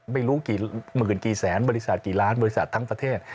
ไม่รู้กี่หมื่นกี่แสนบริษัทกี่ล้านบริษัททั้งประเทศ